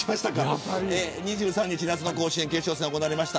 ２３日、夏の甲子園決勝戦が行われました。